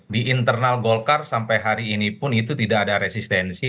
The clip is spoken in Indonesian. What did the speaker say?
di internal golkar sampai hari ini pun itu tidak ada resistensi